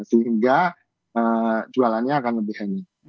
sehingga jualannya akan lebih hening